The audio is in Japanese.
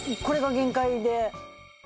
これが限界で。